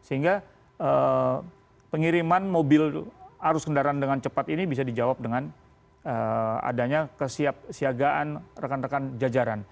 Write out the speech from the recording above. sehingga pengiriman mobil arus kendaraan dengan cepat ini bisa dijawab dengan adanya kesiapsiagaan rekan rekan jajaran